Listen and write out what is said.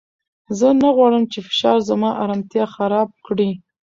زه نه غواړم چې فشار زما ارامتیا خراب کړي.